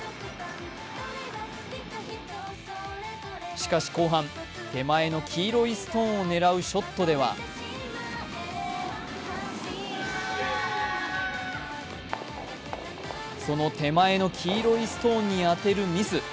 しかし後半、手前の黄色いストーンを狙うショットではその手前の黄色いストーンに当てるミス。